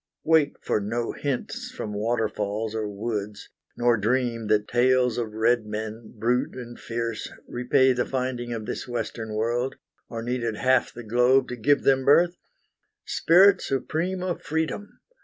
Wait for no hints from waterfalls or woods, Nor dream that tales of red men, brute and fierce, Repay the finding of this Western World, Or needed half the globe to give them birth: Spirit supreme of Freedom!